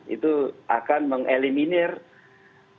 itu akan mengeliminir ketidakpun